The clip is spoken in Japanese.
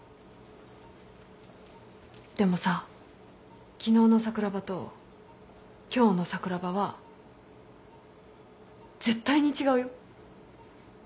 でもさ昨日の桜庭と今日の桜庭は絶対に違うよ。